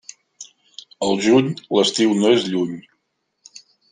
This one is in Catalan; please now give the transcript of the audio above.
Al juny, l'estiu no és lluny.